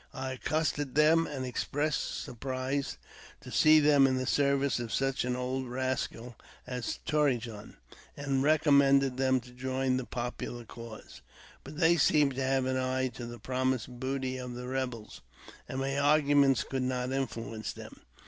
I accosted them, and ex pressed surprise at seeing them in the service of such an old rascal as Torrejon, and recommended them to join the popular cause ; but they seemed to have an eye to the promised booty of the rebels, and my arguments could not influence them.